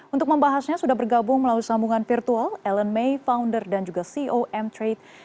untuk membahasnya sudah bergabung melalui sambungan virtual ellen may founder dan juga ceo m trade